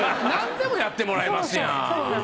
なんでもやってもらいますやん。